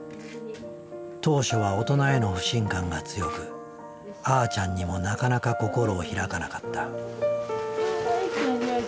当初は大人への不信感が強くあーちゃんにもなかなか心を開かなかった。